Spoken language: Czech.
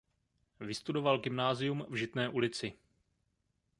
Vystudoval gymnasium v Žitné ulici.